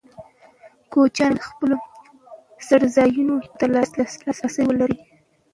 کوچیان باید خپل څړځایونو ته لاسرسی ولري.